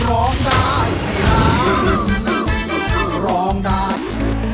ร้องได้ร้องได้